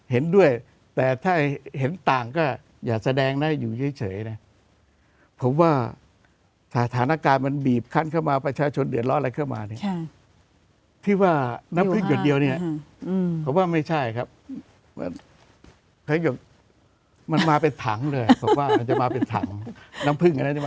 มันมาเป็นถังเลยบอกว่ามันจะมาเป็นถังน้ำผึ้งอันนั้นจะมาเป็นถัง